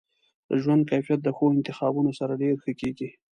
د ژوند کیفیت د ښو انتخابونو سره ډیر ښه کیږي.